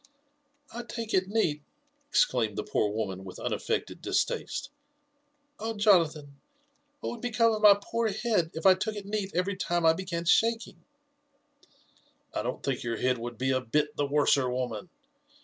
''I take it neat!" exclaimed the poor woman with unaffected distaste. Oh, Jonathan I what would become of my poor head if I took it neat every time I began shaking ?"'* I don't think your head would be a bit the worser, woman.